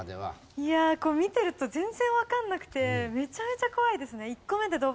いやあ見てると全然わかんなくてめちゃめちゃ怖いですね。